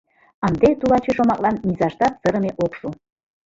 Ынде «тулаче» шомаклан низаштат сырыме ок шу.